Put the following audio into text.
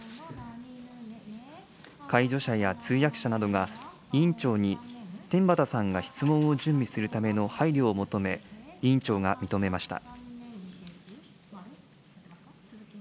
介助者や通訳者などが、委員長に、天畠さんが質問を準備するための配慮を求め、委員長が認めました。